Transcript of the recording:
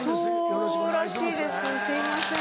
よろしくお願いします。